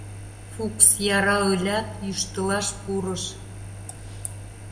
Фукс, яра ылят, йӱштылаш пурыш.